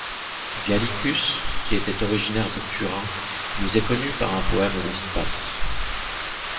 Gallicus, qui était originaire de Turin, nous est connu par un poème de Stace.